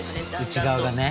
内側がね。